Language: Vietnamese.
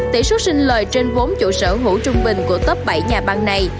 tỷ suất sinh lời trên vốn chủ sở hữu trung bình của top bảy nhà băng này